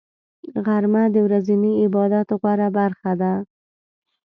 غرمه د ورځني عبادت غوره برخه ده